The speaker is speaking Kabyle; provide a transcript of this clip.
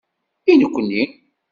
I nekni!